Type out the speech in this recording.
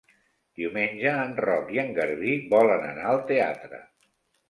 Diumenge en Roc i en Garbí volen anar al teatre.